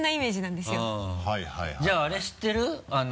じゃああれ知ってる？